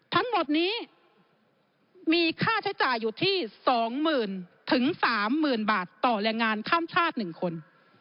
ทั้งหมดนี้มีค่าใช้จ่ายอยู่ที่๒๐๐๐๓๐๐๐บาทต่อแรงงานข้ามชาติ๑คน